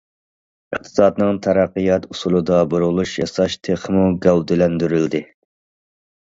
ئىقتىسادنىڭ تەرەققىيات ئۇسۇلىدا بۇرۇلۇش ياساش تېخىمۇ گەۋدىلەندۈرۈلدى.